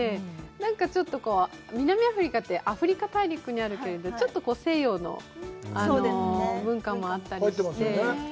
何かちょっと南アフリカって、アフリカ大陸にあるけれど、ちょっと西洋の文化もあったりして。